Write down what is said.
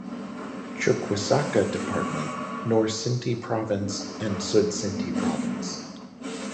Chuquisaca Department, Nor Cinti Province and Sud Cinti Province.